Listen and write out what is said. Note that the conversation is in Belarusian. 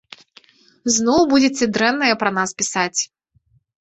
Зноў будзеце дрэннае пра нас пісаць.